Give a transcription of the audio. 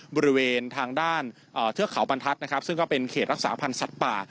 บริเวณทางด้านเทือกเขาบรรทัศน์นะครับซึ่งก็เป็นเขตรักษาพันธ์สัตว์ป่า